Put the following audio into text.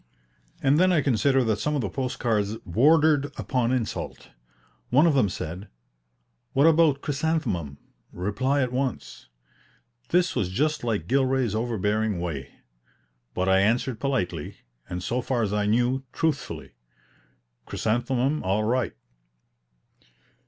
And then I consider that some of the post cards bordered upon insult. One of them said, "What about chrysanthemum? reply at once." This was just like Gilray's overbearing way; but I answered politely, and so far as I knew, truthfully, "Chrysanthemum all right."